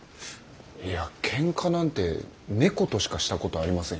いやケンカなんて猫としかしたことありませんよ。